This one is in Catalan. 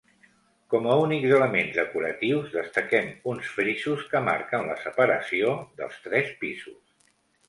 Com a únics elements decoratius destaquem uns frisos que marquen la separació dels tres pisos.